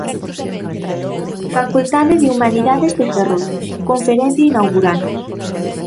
Facultade de Humanidades de Ferrol. Conferencia inaugural.